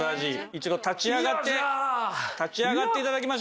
一度立ち上がって立ち上がって頂きましょう。